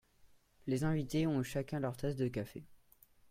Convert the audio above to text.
Les invités ont eu chacun leur tasse de café.